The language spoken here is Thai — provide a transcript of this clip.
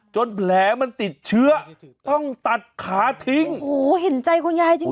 แผลมันติดเชื้อต้องตัดขาทิ้งโอ้โหเห็นใจคุณยายจริง